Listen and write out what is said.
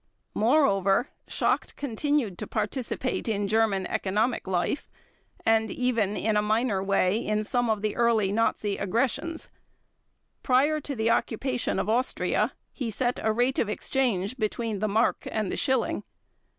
Moreover Schacht continued to participate in German economic life and even, in a minor way, in some of the early Nazi aggressions. Prior to the occupation of Austria he set a rate of exchange between the mark and the schilling.